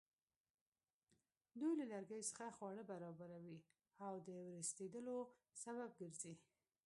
دوی له لرګیو څخه خواړه برابروي او د ورستېدلو سبب ګرځي.